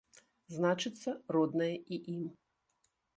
Значыцца, роднае і ім!